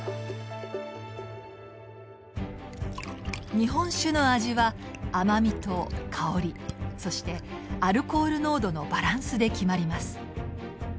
日本酒の味は甘みと香りそしてアルコール濃度のバランスで決まります。